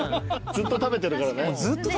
ずっと食べてるから今日。